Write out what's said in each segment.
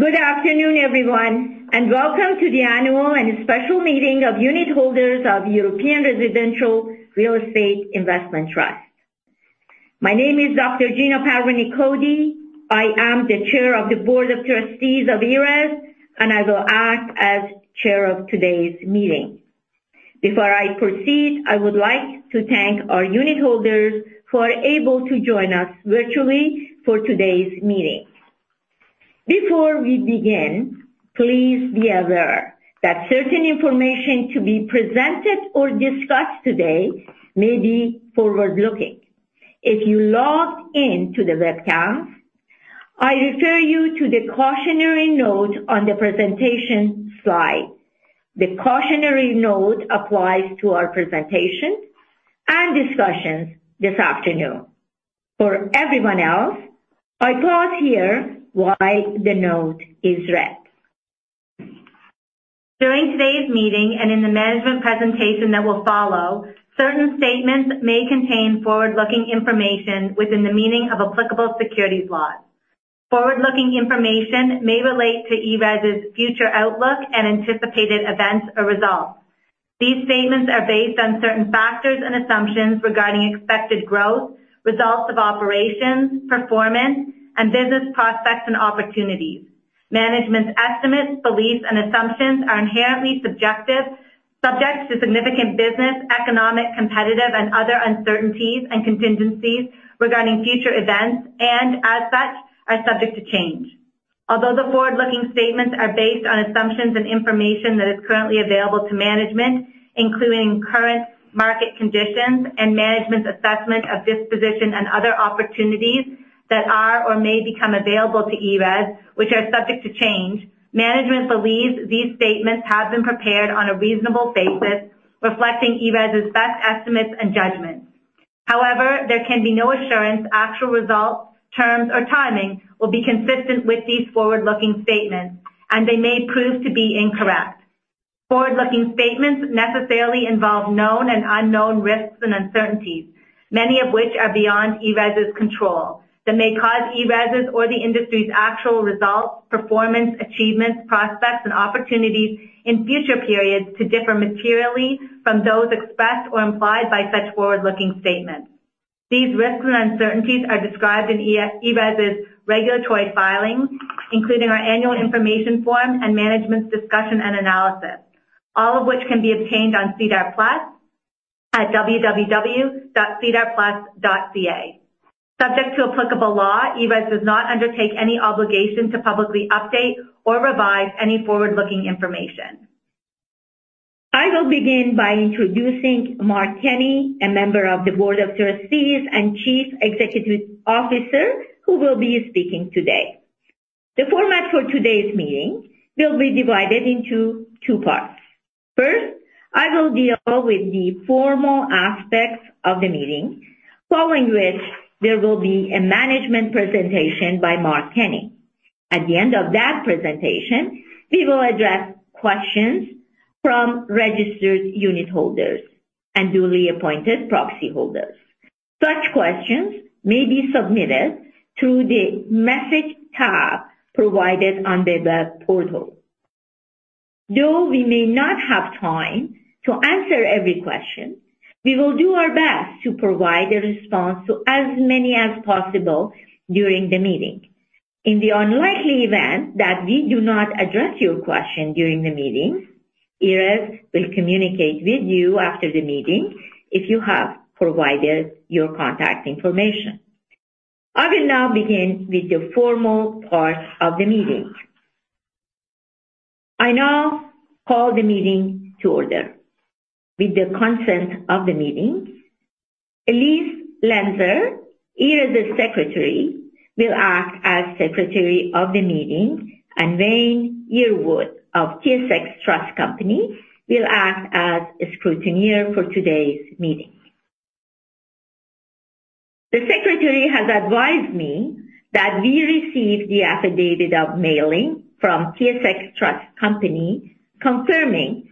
Good afternoon, everyone, and welcome to the annual and special meeting of unitholders of European Residential Real Estate Investment Trust. My name is Dr. Gina Parvaneh Cody. I am the Chair of the Board of Trustees of ERES, and I will act as Chair of today's meeting. Before I proceed, I would like to thank our unitholders who are able to join us virtually for today's meeting. Before we begin, please be aware that certain information to be presented or discussed today may be forward-looking. If you logged in to the webcast, I refer you to the cautionary note on the presentation slide. The cautionary note applies to our presentation and discussions this afternoon. For everyone else, I pause here while the note is read. During today's meeting and in the management presentation that will follow, certain statements may contain forward-looking information within the meaning of applicable securities laws. Forward-looking information may relate to ERES's future outlook and anticipated events or results. These statements are based on certain factors and assumptions regarding expected growth, results of operations, performance, and business prospects and opportunities. Management's estimates, beliefs, and assumptions are inherently subjective, subject to significant business, economic, competitive, and other uncertainties and contingencies regarding future events and, as such, are subject to change. Although the forward-looking statements are based on assumptions and information that is currently available to management, including current market conditions and management's assessment of disposition and other opportunities that are or may become available to ERES, which are subject to change, management believes these statements have been prepared on a reasonable basis, reflecting ERES's best estimates and judgments. However, there can be no assurance actual results, terms, or timing will be consistent with these forward-looking statements, and they may prove to be incorrect. Forward-looking statements necessarily involve known and unknown risks and uncertainties, many of which are beyond ERES's control, that may cause ERES's or the industry's actual results, performance, achievements, prospects, and opportunities in future periods to differ materially from those expressed or implied by such forward-looking statements. These risks and uncertainties are described in ERES's regulatory filings, including our Annual Information Form and Management's Discussion and Analysis, all of which can be obtained on SEDAR+ at www.sedarplus.ca. Subject to applicable law, ERES does not undertake any obligation to publicly update or revise any forward-looking information. I will begin by introducing Mark Kenney, a member of the Board of Trustees and Chief Executive Officer, who will be speaking today. The format for today's meeting will be divided into two parts. First, I will deal with the formal aspects of the meeting, following which there will be a management presentation by Mark Kenney. At the end of that presentation, we will address questions from registered unit holders and duly appointed proxy holders. Such questions may be submitted through the Message tab provided on the web portal. Though we may not have time to answer every question, we will do our best to provide a response to as many as possible during the meeting. In the unlikely event that we do not address your question during the meeting, ERES will communicate with you after the meeting if you have provided your contact information. I will now begin with the formal part of the meeting. I now call the meeting to order. With the consent of the meeting, Ilse Lanser, ERES's secretary, will act as secretary of the meeting, and Wayne Yearwood of TSX Trust Company will act as a scrutineer for today's meeting. The secretary has advised me that we received the affidavit of mailing from TSX Trust Company confirming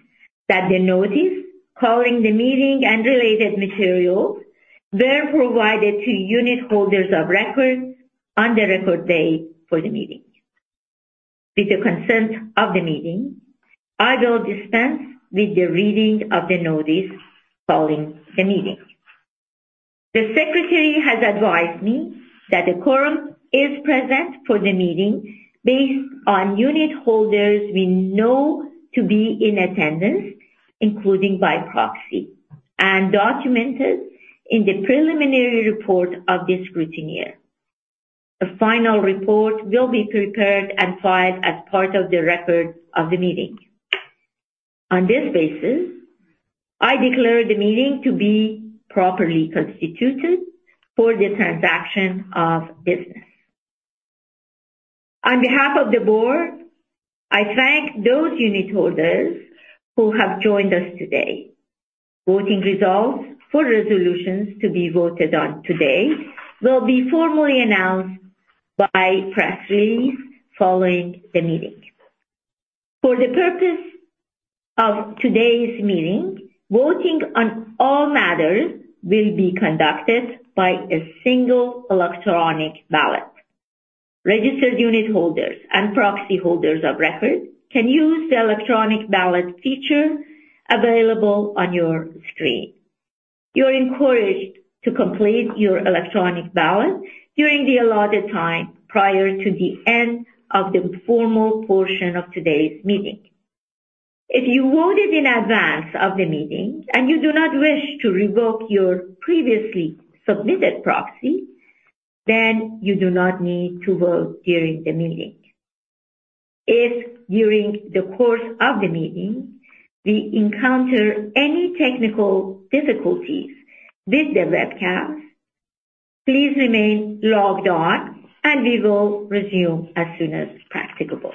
that the notice, calling the meeting, and related materials were provided to unitholders of record on the record date for the meeting. With the consent of the meeting, I will dispense with the reading of the notice following the meeting. The secretary has advised me that the quorum is present for the meeting based on unitholders we know to be in attendance, including by proxy, and documented in the preliminary report of the scrutineer. A final report will be prepared and filed as part of the record of the meeting. On this basis, I declare the meeting to be properly constituted for the transaction of business. On behalf of the board, I thank those unit holders who have joined us today. Voting results for resolutions to be voted on today will be formally announced by press release following the meeting. For the purpose of today's meeting, voting on all matters will be conducted by a single electronic ballot. Registered unit holders and proxy holders of record can use the electronic ballot feature available on your screen. You are encouraged to complete your electronic ballot during the allotted time prior to the end of the formal portion of today's meeting. If you voted in advance of the meeting and you do not wish to revoke your previously submitted proxy, then you do not need to vote during the meeting. If during the course of the meeting we encounter any technical difficulties with the webcams, please remain logged on, and we will resume as soon as practicable.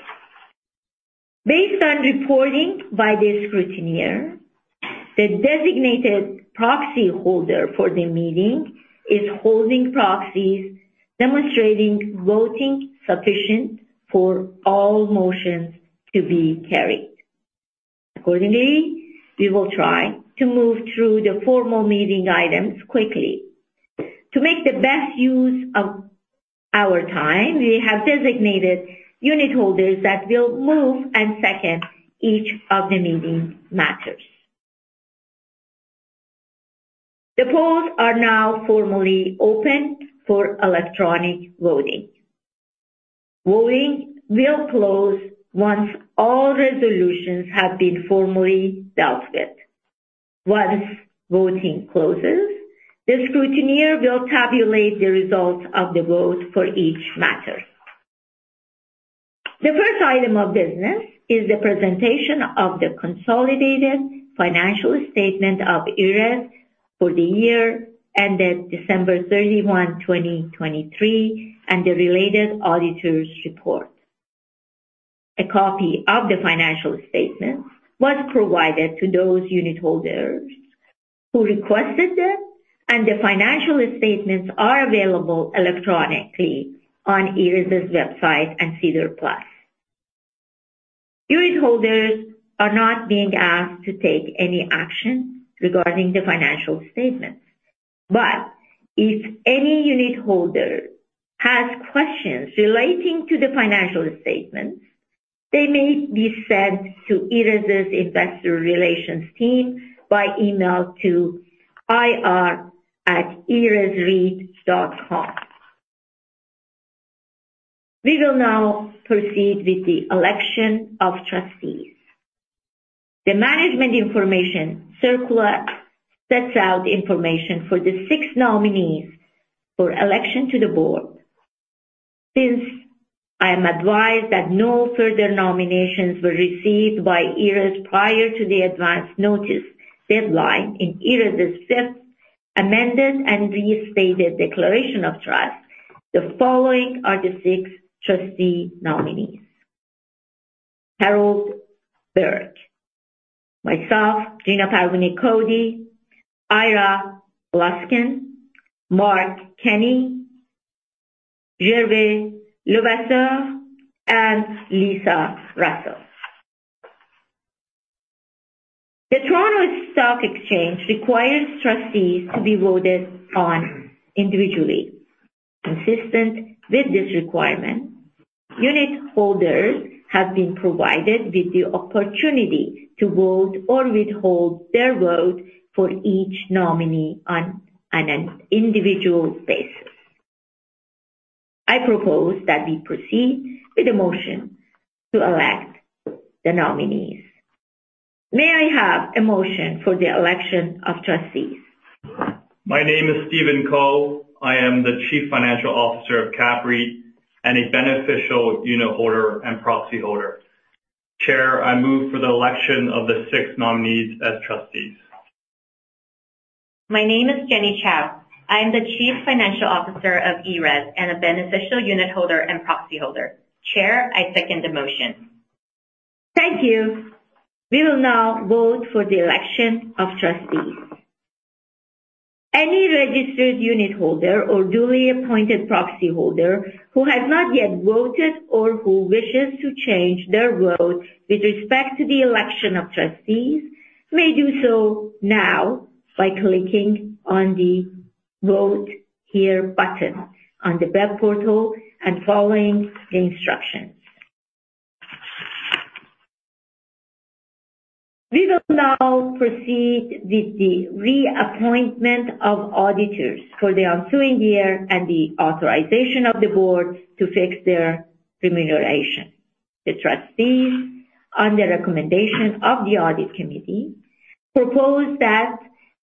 Based on reporting by the scrutineer, the designated proxy holder for the meeting is holding proxies demonstrating voting sufficient for all motions to be carried. Accordingly, we will try to move through the formal meeting items quickly. To make the best use of our time, we have designated unit holders that will move and second each of the meeting matters. The polls are now formally open for electronic voting. Voting will close once all resolutions have been formally dealt with. Once voting closes, the scrutineer will tabulate the results of the vote for each matter. The first item of business is the presentation of the consolidated financial statement of ERES for the year ended 31 December 2023, and the related auditor's report. A copy of the financial statements was provided to those unit holders who requested them, and the financial statements are available electronically on ERES's website and SEDAR+. Unit holders are not being asked to take any action regarding the financial statements, but if any unit holder has questions relating to the financial statements, they may be sent to ERES's investor relations team by email to ir@eresreit.com. We will now proceed with the election of trustees. The Management Information Circular sets out information for the six nominees for election to the board. Since I am advised that no further nominations were received by ERES prior to the advance notice deadline in ERES's Fifth Amended and Restated Declaration of Trust, the following are the six trustee nominees: Harold Burke, myself, Gina Parvaneh Cody, Ira Gluskin, Mark Kenney, Gervais Levasseur, and Lisa Russell. The Toronto Stock Exchange requires trustees to be voted on individually. Consistent with this requirement, unit holders have been provided with the opportunity to vote or withhold their vote for each nominee on an individual basis. I propose that we proceed with the motion to elect the nominees. May I have a motion for the election of trustees? My name is Stephen Co. I am the Chief Financial Officer of CAPREIT and a beneficial unit holder and proxy holder. Chair, I move for the election of the six nominees as trustees. My name is Jenny Chou. I am the Chief Financial Officer of ERES and a beneficial unit holder and proxy holder. Chair, I second the motion. Thank you. We will now vote for the election of trustees. Any registered unit holder or duly appointed proxy holder who has not yet voted or who wishes to change their vote with respect to the election of trustees may do so now by clicking on the Vote Here button on the web portal and following the instructions. We will now proceed with the reappointment of auditors for the ensuing year and the authorization of the board to fix their remuneration. The trustees, on the recommendation of the Audit Committee, propose that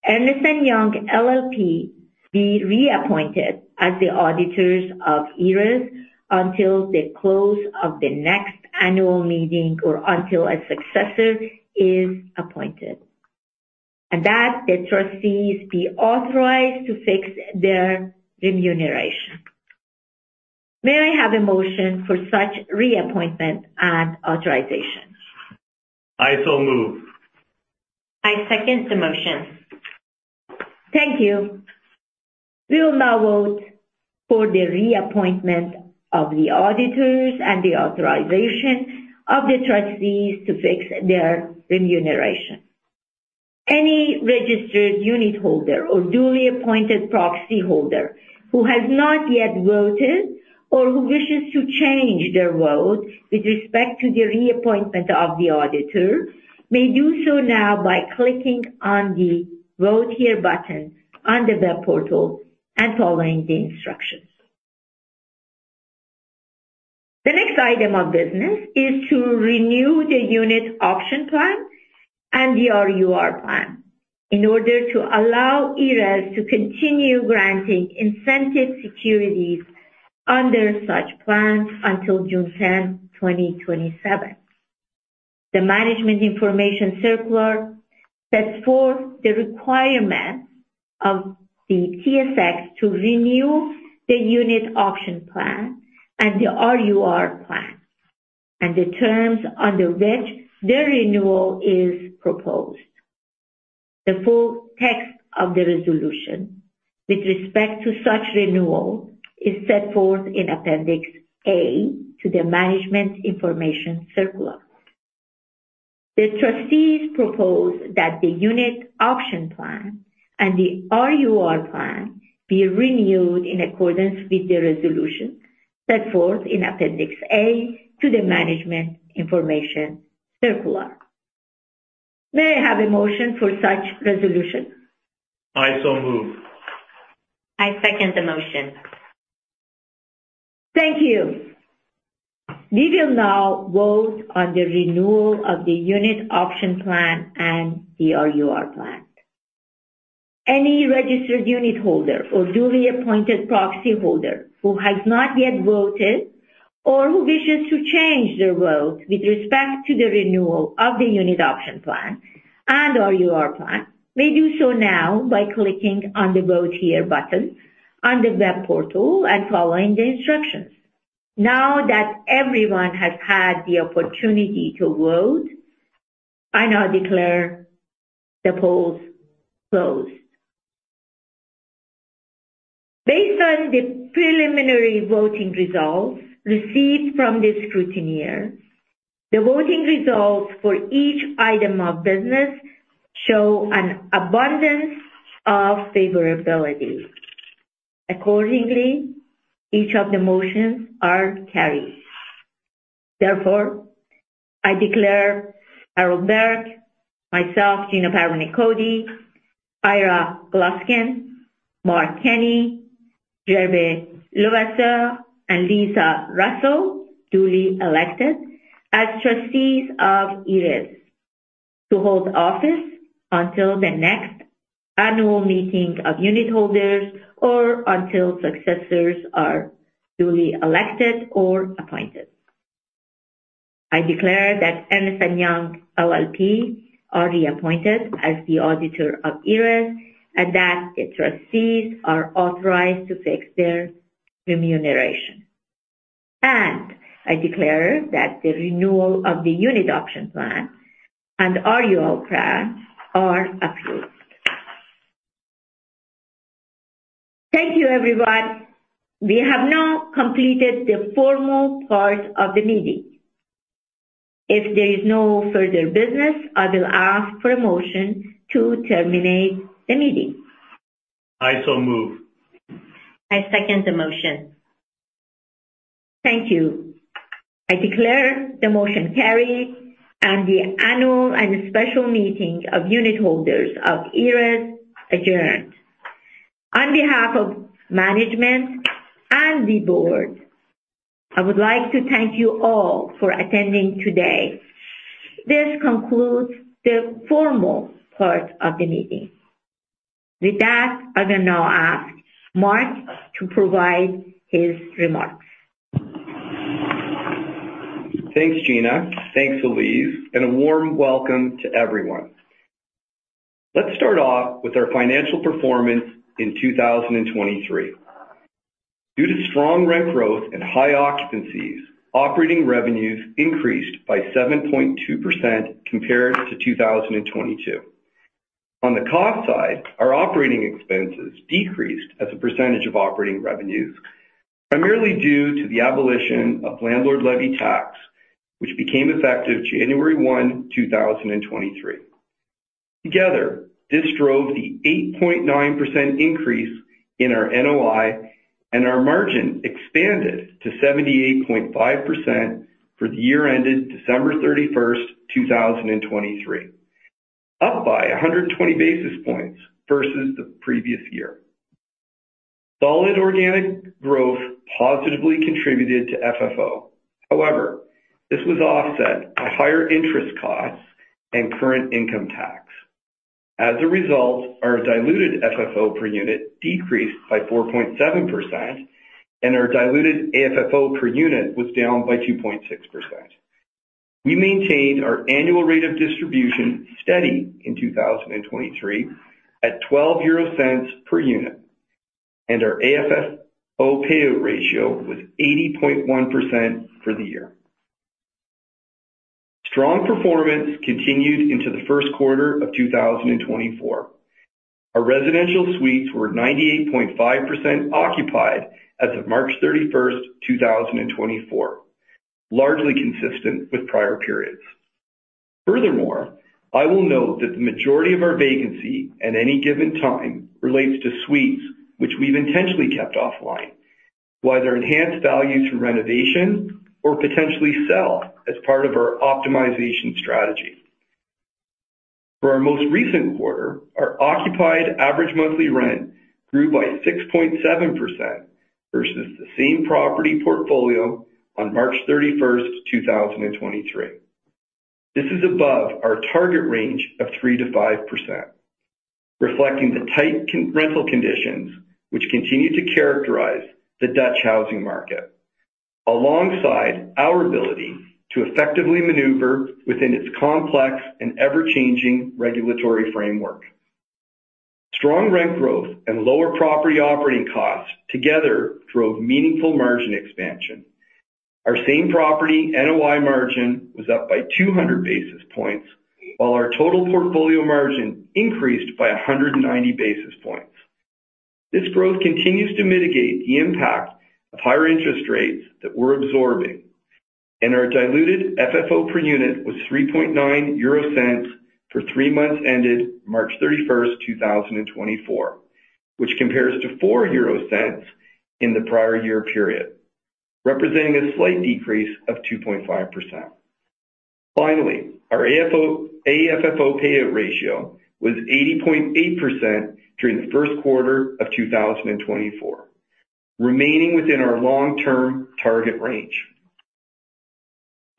Ernst & Young LLP be reappointed as the auditors of ERES until the close of the next annual meeting or until a successor is appointed, and that the trustees be authorized to fix their remuneration. May I have a motion for such reappointment and authorization? I so move. I second the motion. Thank you. We will now vote for the reappointment of the auditors and the authorization of the trustees to fix their remuneration. Any registered unit holder or duly appointed proxy holder who has not yet voted or who wishes to change their vote with respect to the reappointment of the auditor may do so now by clicking on the Vote Here button on the web portal and following the instructions. The next item of business is to renew the Unit Option Plan and the RUR Plan in order to allow ERES to continue granting incentive securities under such plans until 10 June 2027. The management information circular sets forth the requirement of the TSX to renew the Unit Option Plan and the RUR Plan and the terms under which the renewal is proposed. The full text of the resolution with respect to such renewal is set forth in Appendix A to the management information circular. The trustees propose that the Unit Option Plan and the RUR Plan be renewed in accordance with the resolution set forth in Appendix A to the management information circular. May I have a motion for such resolution? I so move. I second the motion. Thank you. We will now vote on the renewal of the unit option plan and the RUR plan. Any registered unit holder or duly appointed proxy holder who has not yet voted or who wishes to change their vote with respect to the renewal of the unit option plan and RUR plan may do so now by clicking on the Vote Here button on the web portal and following the instructions. Now that everyone has had the opportunity to vote, I now declare the polls closed. Based on the preliminary voting results received from the scrutineer, the voting results for each item of business show an abundance of favorability. Accordingly, each of the motions are carried. Therefore, I declare Harold Burke, myself, Gina Cody, Ira Gluskin, Mark Kenney, Gervais Levasseur, and Lisa Russell, duly elected as trustees of ERES to hold office until the next annual meeting of unit holders or until successors are duly elected or appointed. I declare that Ernst & Young LLP are reappointed as the auditor of ERES and that the trustees are authorized to fix their remuneration. I declare that the renewal of the unit option plan and RUR plan are approved. Thank you, everyone. We have now completed the formal part of the meeting. If there is no further business, I will ask for a motion to terminate the meeting. I so move. I second the motion. Thank you. I declare the motion carried and the annual and special meeting of unit holders of ERES adjourned. On behalf of management and the board, I would like to thank you all for attending today. This concludes the formal part of the meeting. With that, I will now ask Mark to provide his remarks. Thanks, Gina. Thanks, Ilse, and a warm welcome to everyone. Let's start off with our financial performance in 2023. Due to strong rent growth and high occupancies, operating revenues increased by 7.2% compared to 2022. On the cost side, our operating expenses decreased as a percentage of operating revenues, primarily due to the abolition of landlord levy tax, which became effective 1 January 2023. Together, this drove the 8.9% increase in our NOI, and our margin expanded to 78.5% for the year ended December 31, 2023, up by 120 basis points versus the previous year. Solid organic growth positively contributed to FFO. However, this was offset by higher interest costs and current income tax. As a result, our diluted AFFO per unit decreased by 4.7%, and our diluted AFFO per unit was down by 2.6%. We maintained our annual rate of distribution steady in 2023 at 0.12 per unit, and our AFFO payout ratio was 80.1% for the year. Strong performance continued into Q1 of 2024. Our residential suites were 98.5% occupied as of 31 March 2024, largely consistent with prior periods. Furthermore, I will note that the majority of our vacancy at any given time relates to suites, which we've intentionally kept offline, whether enhanced value through renovation or potentially sell as part of our optimization strategy. For our most recent quarter, our occupied average monthly rent grew by 6.7% versus the same property portfolio on 31 March 2023. This is above our target range of 3% to 5%, reflecting the tight rental conditions, which continue to characterize the Dutch housing market, alongside our ability to effectively maneuver within its complex and ever-changing regulatory framework. Strong rent growth and lower property operating costs together drove meaningful margin expansion. Our same property NOI margin was up by 200 basis points, while our total portfolio margin increased by 190 basis points. This growth continues to mitigate the impact of higher interest rates that we're absorbing, and our diluted FFO per unit was 0.039 for three months ended 31 March 2024, which compares to 0.04 euro in the prior year period, representing a slight decrease of 2.5%. Finally, our AFFO payout ratio was 80.8% during the Q1 of 2024, remaining within our long-term target range.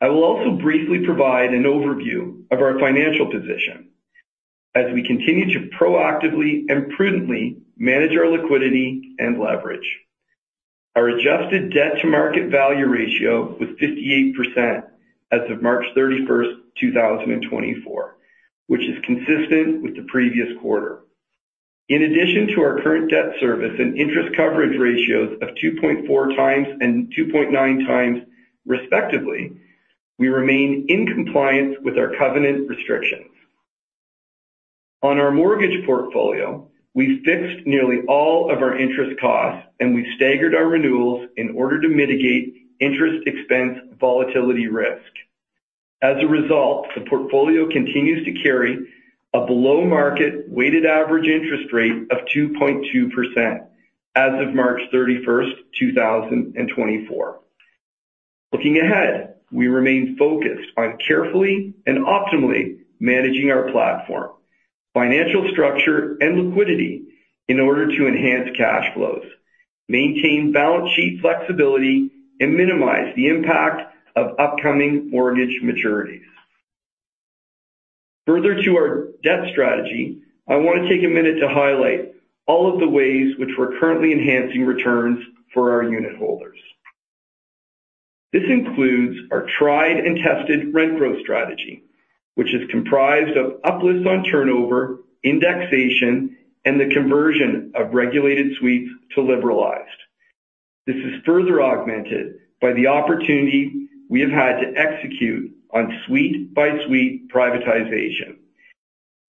I will also briefly provide an overview of our financial position as we continue to proactively and prudently manage our liquidity and leverage. Our adjusted debt-to-market value ratio was 58% as of 31 March 2024, which is consistent with the previous quarter. In addition to our current debt service and interest coverage ratios of 2.4x and 2.9x, respectively, we remain in compliance with our covenant restrictions. On our mortgage portfolio, we fixed nearly all of our interest costs, and we've staggered our renewals in order to mitigate interest expense volatility risk. As a result, the portfolio continues to carry a below-market weighted average interest rate of 2.2% as of 31 March 2024. Looking ahead, we remain focused on carefully and optimally managing our platform, financial structure, and liquidity in order to enhance cash flows, maintain balance sheet flexibility, and minimize the impact of upcoming mortgage maturities. Further to our debt strategy, I want to take a minute to highlight all of the ways which we're currently enhancing returns for our unit holders. This includes our tried and tested rent growth strategy, which is comprised of uplifts on turnover, indexation, and the conversion of regulated suites to liberalized. This is further augmented by the opportunity we have had to execute on suite-by-suite privatization,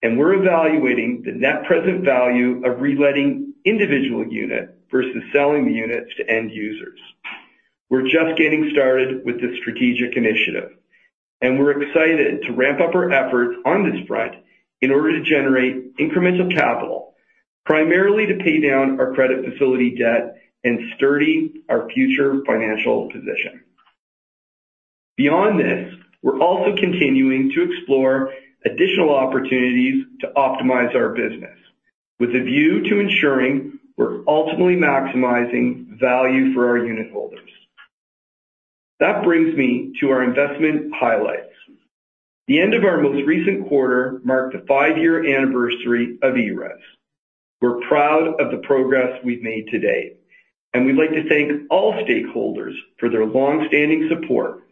and we're evaluating the net present value of reletting individual units versus selling the units to end users. We're just getting started with this strategic initiative, and we're excited to ramp up our efforts on this front in order to generate incremental capital, primarily to pay down our credit facility debt and strengthen our future financial position. Beyond this, we're also continuing to explore additional opportunities to optimize our business with a view to ensuring we're ultimately maximizing value for our unit holders. That brings me to our investment highlights. The end of our most recent quarter marked the five-year anniversary of ERES. We're proud of the progress we've made to date, and we'd like to thank all stakeholders for their long-standing support.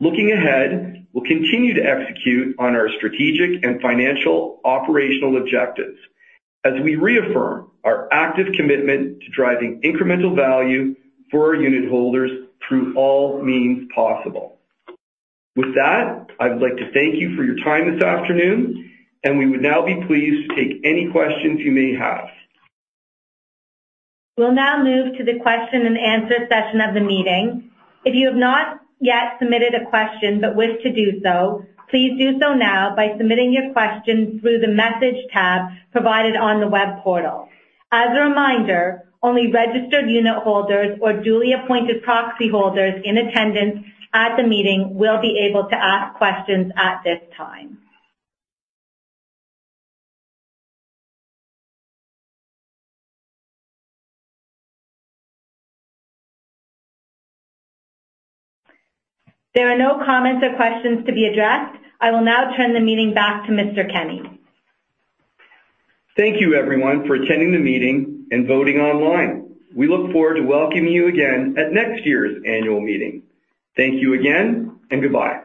Looking ahead, we'll continue to execute on our strategic and financial operational objectives as we reaffirm our active commitment to driving incremental value for our unit holders through all means possible. With that, I'd like to thank you for your time this afternoon, and we would now be pleased to take any questions you may have. We'll now move to the question-and-answer session of the meeting. If you have not yet submitted a question but wish to do so, please do so now by submitting your question through the Message tab provided on the web portal. As a reminder, only registered unit holders or duly appointed proxy holders in attendance at the meeting will be able to ask questions at this time. There are no comments or questions to be addressed. I will now turn the meeting back to Mr. Kenney. Thank you, everyone, for attending the meeting and voting online. We look forward to welcoming you again at next year's annual meeting. Thank you again, and goodbye.